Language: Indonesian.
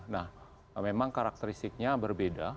nah memang karakteristiknya berbeda